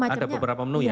atau ada beberapa menu ya